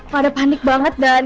pada panik banget dan